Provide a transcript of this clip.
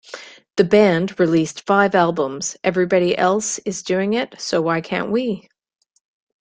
The band released five albums: Everybody Else Is Doing It, So Why Can't We?